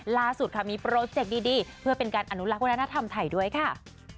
ล่าสุดค่ะมีโปรเจคดีเพื่อเป็นการอนุรักษ์วัฒนธรรมไทยด้วยค่ะ